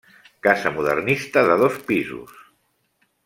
Casa modernista de dos pisos.